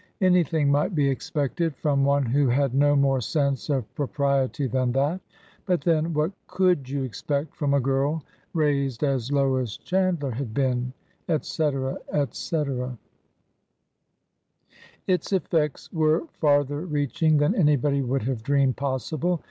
Anything might be expected from one who had no more sense of propriety than that ! But then, what could you expect from a girl raised as Lois Chand ler had been, etc., etc. Its effects were farther reaching than anybody would have dreamed possible.